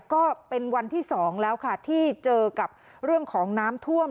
ก็เป็นวันที่๒แล้วค่ะที่เจอกับเรื่องของน้ำท่วม